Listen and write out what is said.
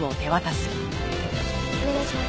お願いします。